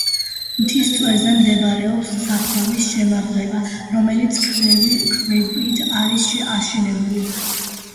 მთის წვერზე მდებარეობს საფლავის შემაღლება, რომელიც ქვებით არის აშენებული.